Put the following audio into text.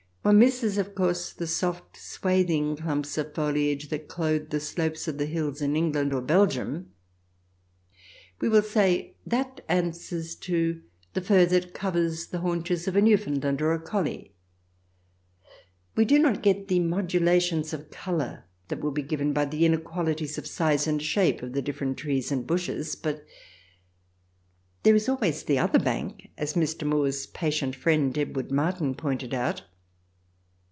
One misses, of course, the soft, swathing clumps of foliage that clothe the slopes of the hills in England or Belgium. We will say that answers to the fur that covers the haunches of a Newfoundland or a collie. We do not get the modulations of colour that would be given by the inequalities of size and shape of the different trees and bushes, but " there is always the other bank," as Mr. Moore's patient friend, Edward Martin, pointed out.